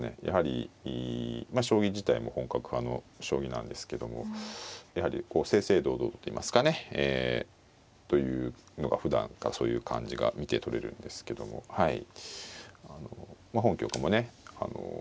やはりまあ将棋自体も本格派の将棋なんですけどもやはりこう正々堂々っていいますかねえというのがふだんからそういう感じが見て取れるんですけどもまあ本局もね